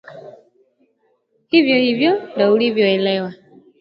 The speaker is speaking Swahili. Hivyohivyo ulivyoelewa